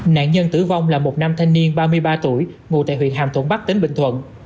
nạn nhân tử vong là một nam thanh niên ba mươi ba tuổi ngụ tại huyện hàm thuận bắc tỉnh bình thuận